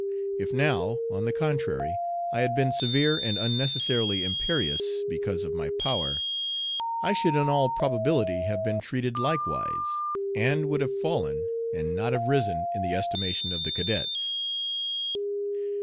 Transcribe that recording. If now, on the contrary, I had been severe and unnecessarily imperious because of my power, I should in all probability have been treated likewise, and would have fallen and not have risen in the estimation of the cadets.